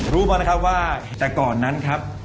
รู้มานะครับว่าแต่ก่อนนั้นครับ